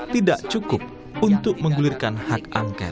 tidak cukup untuk menggulirkan hak angket